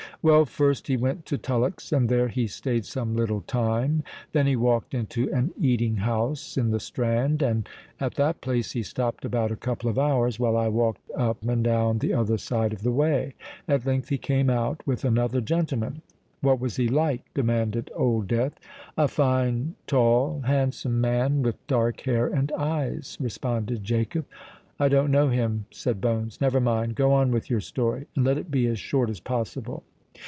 Well, first he went to Tullock's; and there he stayed some little time. Then he walked into an eating house in the Strand; and at that place he stopped about a couple of hours—while I walked up and down on the other side of the way. At length he came out, with another gentleman——" "What was he like?" demanded Old Death. "A fine—tall—handsome man—with dark hair and eyes," responded Jacob. "I don't know him," said Bones. "Never mind;—go on with your story, and let it be as short as possible."